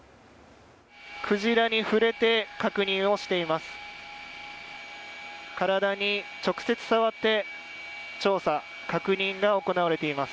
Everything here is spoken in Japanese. クジラに触れて確認をしています。